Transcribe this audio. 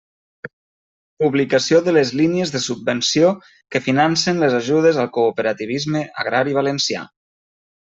Publicació de les línies de subvenció que financen les ajudes al cooperativisme agrari valencià.